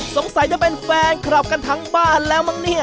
สงสัยจะเป็นแฟนคลับกันทั้งบ้านแล้วมั้งเนี่ย